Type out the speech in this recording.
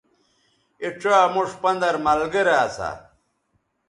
اے ڇا موش پندَر ملگرے اسا